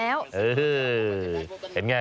เออเห็นไง